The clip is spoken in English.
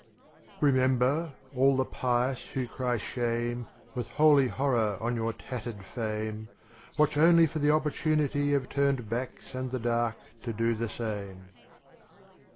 jEMEMBER — all the pious who cry shame. With holy horror, on your tattered fame. Watch only for the opportunity Of turned backs and the dark to do the same.